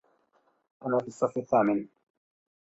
أنا في الصف الثامن.